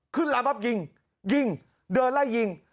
ขึ้นลำบับยิงยิงเดินไล่ยิง